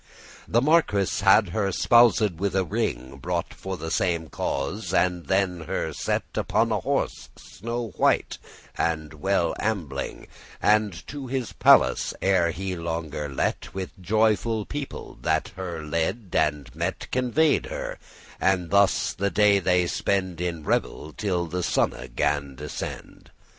The marquis hath her spoused with a ring Brought for the same cause, and then her set Upon a horse snow white, and well ambling, And to his palace, ere he longer let* *delayed With joyful people, that her led and met, Conveyed her; and thus the day they spend In revel, till the sunne gan descend.